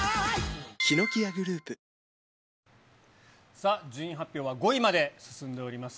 さあ、順位発表は５位まで進んでおります。